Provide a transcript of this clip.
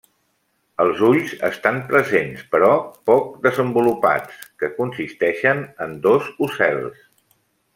Els ulls estan presents però pos desenvolupats, que consisteixen en dos ocels.